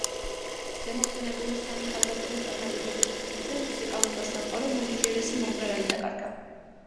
ზემოხსენებული სამი ქალბატონის წარმატებების ფონზე, მუსიკალურმა სამყარომ უნიჭიერესი მომღერალი დაკარგა.